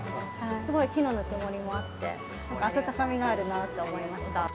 木のぬくもりもあって温かみがあるなって思いました。